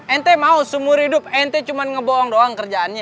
ente mau semua hidup ente cuma ngebohong doang kerjaannya